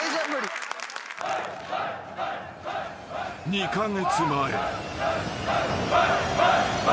［２カ月前］